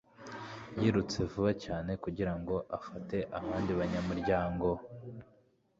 Yirutse vuba cyane kugira ngo afate abandi banyamuryango